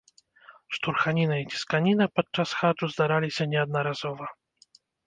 Штурханіна і цісканіна падчас хаджу здараліся неаднаразова.